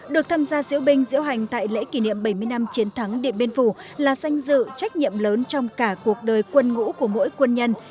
được tham gia diễu binh diễu hành tại lễ kỷ niệm bảy mươi năm chiến thắng điện biên phủ là danh dự trách nhiệm lớn trong cả cuộc đời quân ngũ của mỗi quân nhân